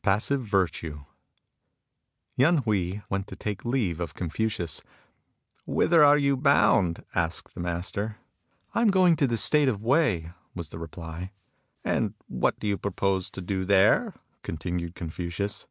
PASSIVE VIRTUE Yen Hui * went to take leave of Confucius. " Whither are you bound ?" asked the master. " I am going to the State of Wei," was the reply. " And what do you propose to do there ?" continued Confucius.